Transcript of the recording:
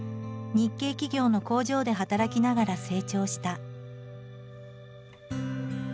日系企業の工場で働きながら成長した。